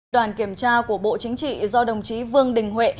đoàn kiểm tra của bộ chính trị do đồng chí vương đình huệ